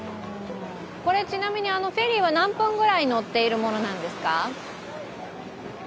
ちなみに、フェリーは何分ぐらい乗っているものなんですか？